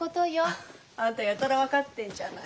あんたやたら分かってんじゃない。